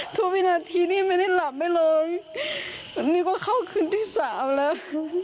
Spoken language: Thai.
ทุกวินาทีนี่ไม่ได้หลับได้เลยวันนี้ก็เข้าคืนที่สามแล้ว